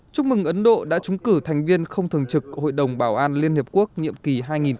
chúc mừng ấn độ đã trúng cử thành viên không thường trực của hội đồng bảo an liên hiệp quốc nhiệm kỳ hai nghìn hai mươi hai nghìn hai mươi một